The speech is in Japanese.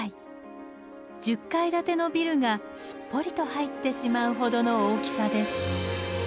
１０階建てのビルがすっぽりと入ってしまうほどの大きさです。